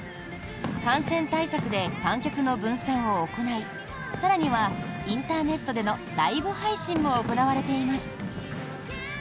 感染対策で観客の分散を行い更にはインターネットでのライブ配信も行われています。